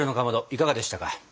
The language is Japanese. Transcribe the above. いかがでしたか？